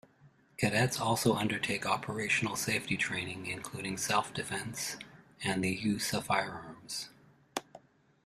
Cadets also undertake operational safety training, including self-defence and the use of firearms.